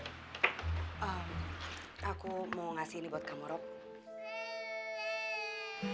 aku mau ngasih ini buat kamu rob